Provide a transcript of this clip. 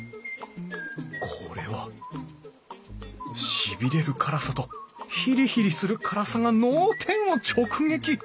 これはしびれる辛さとヒリヒリする辛さが脳天を直撃！